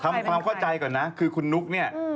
ทำความเข้าใจก่อนนะคือคุณนุ๊กเนี่ย